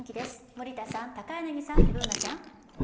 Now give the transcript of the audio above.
森田さん、高柳さん、Ｂｏｏｎａちゃん。